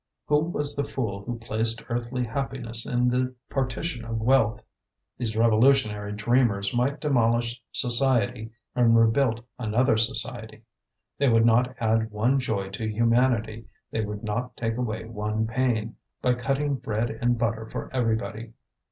Who was the fool who placed earthly happiness in the partition of wealth? These revolutionary dreamers might demolish society and rebuilt another society; they would not add one joy to humanity, they would not take away one pain, by cutting bread and butter for everybody.